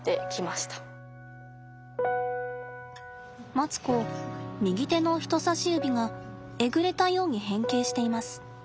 マツコ右手の人さし指がえぐれたように変形しています。